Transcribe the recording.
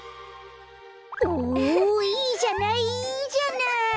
おおいいじゃないいいじゃない。